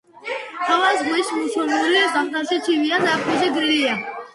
ჰავა ზღვის მუსონური, ზამთარში ცივია, ზაფხულში გრილი.